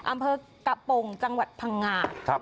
อำเภอกะปงจังหวัดพังงา